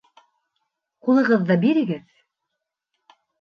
Ҡулығыҙҙы бирегеҙ.